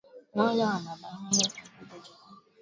mmoja wa mabaharia akampa jaketi lake